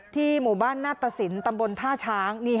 หมู่บ้านนาตสินตำบลท่าช้าง